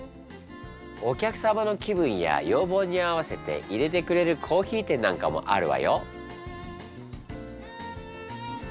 お客様の気分や要望に合わせていれてくれるコーヒー店なんかもあるわよ。